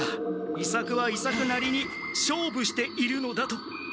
伊作は伊作なりに勝負しているのだと。